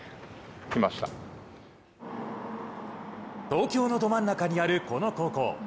東京のど真ん中にあるこの高校。